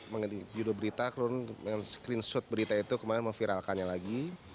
mengenai judul berita kemudian screenshot berita itu kemudian memviralkannya lagi